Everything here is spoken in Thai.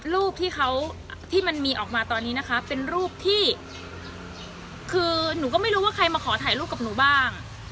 รูปที่เขาที่มันมีออกมาตอนนี้นะคะเป็นรูปที่คือหนูก็ไม่รู้ว่าใครมาขอถ่ายรูปกับหนูบ้าง